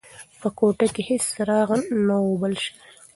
په کوټه کې هیڅ څراغ نه و بل شوی.